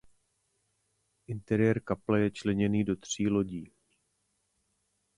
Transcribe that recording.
Interiér kaple je členěný do tří lodí.